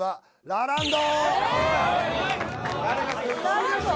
ラランド？